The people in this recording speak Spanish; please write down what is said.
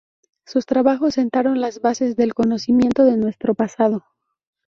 Sus trabajos sentaron las bases del conocimiento de nuestro pasado.